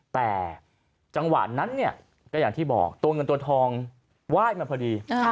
แต่จังหวะนั้นเนี่ยก็อย่างที่บอกตัวเงินตัวทองไหว้มาพอดี